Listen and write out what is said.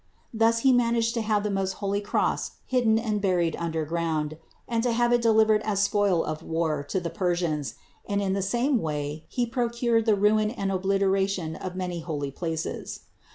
Thus he managed to have the most holy Cross hidden and buried under ground and to have it delivered as spoil of war to the Persians; and in the same way he procured the ruin and obliteration of many holy places.